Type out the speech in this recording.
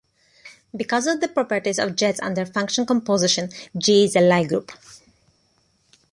Because of the properties of jets under function composition, "G" is a Lie group.